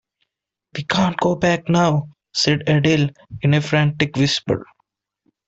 "We can't go back now," said Adele in a frantic whisper.